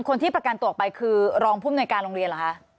คนที่ประกันตัวออกไปคือรองภูมิหน่วยการโรงเรียนเหรอคะ